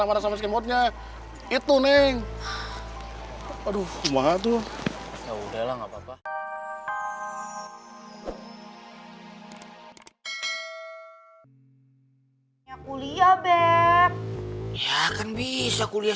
mesti buru buru mau nikah sih